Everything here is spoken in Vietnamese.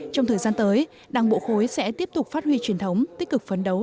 trong thời gian tới đảng bộ khối sẽ tiếp tục phát huy truyền thống tích cực phấn đấu